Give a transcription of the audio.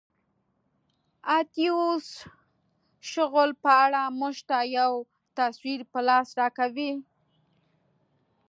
اتیوس شغل په اړه موږ ته یو تصویر په لاس راکوي.